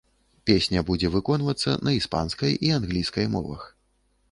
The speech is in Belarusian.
Песня будзе выконвацца на іспанскай і англійскай мовах.